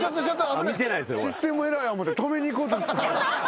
システムエラーや思って止めにいこうとした。